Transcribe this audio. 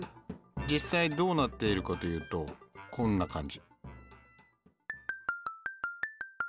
実際どうなっているかというとこんな感じ。